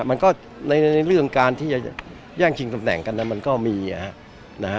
มันก็ในเรื่องการที่จะแย่งชิงตำแหน่งกันมันก็มีนะฮะ